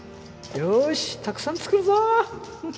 よーしたくさん作るぞー